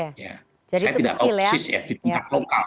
saya tidak oksis ya di tingkat lokal